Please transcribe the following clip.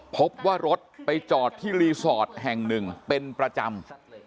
พบว่ารถไปจอดที่รีสอร์ทแห่งหนึ่งเป็นประจำ